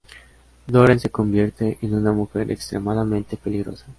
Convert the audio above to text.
Doreen se convierte en una mujer extremadamente peligrosa.